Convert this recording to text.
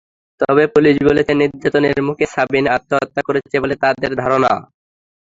তবে পুলিশ বলছে, নির্যাতনের মুখে সাবিনা আত্মহত্যা করেছে বলে তাদের ধারণা।